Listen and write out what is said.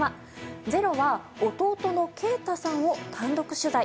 「ｚｅｒｏ」は弟の慶太さんを単独取材。